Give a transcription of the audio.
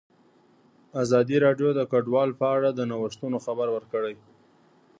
ازادي راډیو د کډوال په اړه د نوښتونو خبر ورکړی.